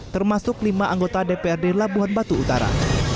termasuk lima anggota dprd labuhan batu utara